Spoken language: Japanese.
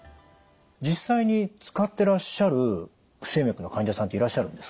実際に使ってらっしゃる不整脈の患者さんっていらっしゃるんですか？